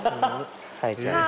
はいじゃあげる。